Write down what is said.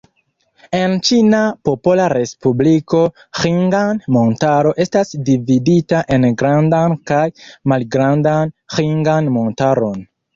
En Ĉina Popola Respubliko, Ĥingan-Montaro estas dividita en Grandan kaj Malgrandan Ĥingan-Montaron.